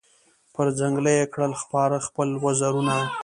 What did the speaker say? پر ځنګله یې کړل خپاره خپل وزرونه